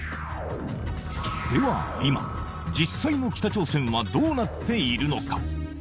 では今、実際の北朝鮮はどうなっているのか。